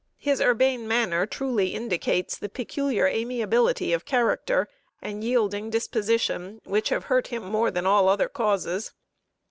His urbane manner truly indicates the peculiar amiability of character and yielding disposition which have hurt him more than all other causes.